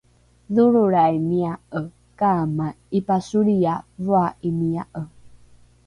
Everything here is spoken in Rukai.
dholrolraimia’e kaamai ’ipasolria voa’imia’e